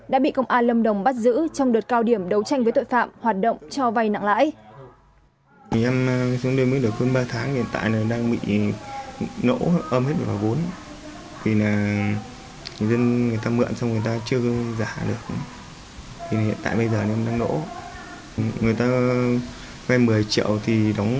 đã bị công an lâm đồng bắt giữ trong đợt cao điểm đấu tranh với tội phạm hoạt động cho vai nặng lãi